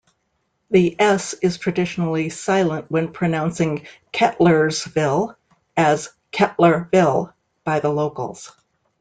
The "s" is traditionally silent when pronouncing Kettlersville as "Kettler-ville" by the locals.